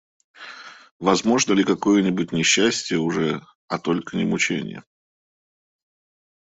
Возможно ли какое-нибудь не счастье уже, а только не мученье?